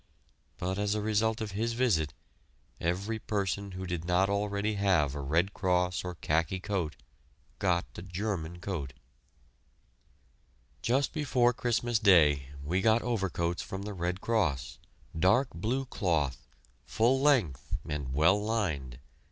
But as a result of his visit every person who did not already have a Red Cross or khaki coat got a German coat. Just before Christmas Day we got overcoats from the Red Cross, dark blue cloth, full length and well lined.